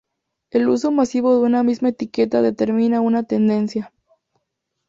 El uso masivo de una misma etiqueta determina una tendencia.